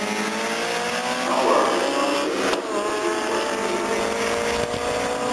Howarth is known for his antipathy towards gay rights.